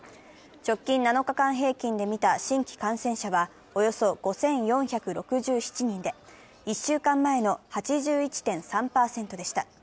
直近７日間平均で見た新規感染者はおよそ５４６７人で１週間前の８１．３％でした。